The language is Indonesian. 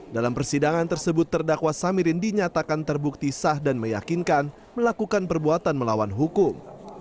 dalam persidangan tersebut terdakwa samirin dinyatakan terbukti sah dan meyakinkan melakukan perbuatan melawan hukum